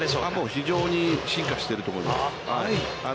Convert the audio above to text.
非常に進化していると思います。